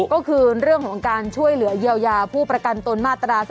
ก็คือเรื่องของการช่วยเหลือเยียวยาผู้ประกันตนมาตรา๒